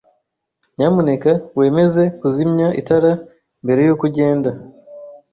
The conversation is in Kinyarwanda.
Nyamuneka wemeze kuzimya itara mbere yuko ugenda.